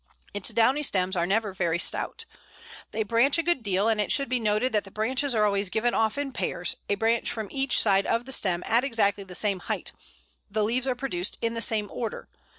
Its downy stems are never very stout. They branch a good deal, and it should be noted that the branches are always given off in pairs, a branch from each side of the stem at exactly the same height; the leaves are produced in the same order.